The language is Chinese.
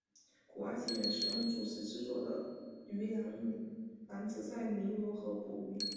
古埃及人使用竹子制作的渔梁篮子在尼罗河捕鱼。